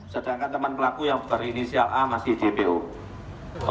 sedangkan teman pelaku yang berinisial a masih dpo